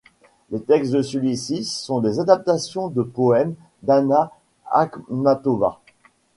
Les textes de celui-ci sont des adaptations de poèmes d'Anna Akhmatova.